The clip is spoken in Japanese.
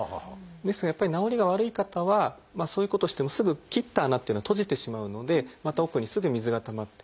ですがやっぱり治りが悪い方はそういうことをしてもすぐ切った穴っていうのは閉じてしまうのでまた奥にすぐ水がたまって。